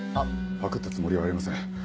パクったつもりはありません。